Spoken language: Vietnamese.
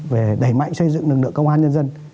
về đẩy mạnh xây dựng lực lượng công an nhân dân